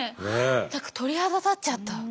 何か鳥肌立っちゃった。